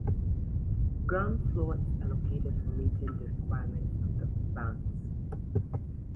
Ground floor is allocated for meeting the requirements of banks.